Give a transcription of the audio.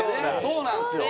そうなんですよ。